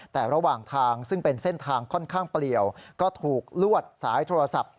แต่ระหว่างทางซึ่งเป็นเส้นทางค่อนข้างเปลี่ยวก็ถูกลวดสายโทรศัพท์